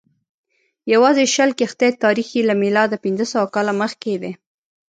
یوازې شل کښتۍ تاریخ یې له میلاده پنځه سوه کاله مخکې دی.